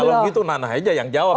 kalau begitu nana aja yang jawab